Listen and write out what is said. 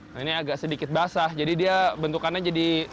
nah ini agak sedikit basah jadi dia bentukannya jadi